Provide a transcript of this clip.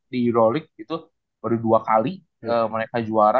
di eurolik itu baru dua kali mereka juara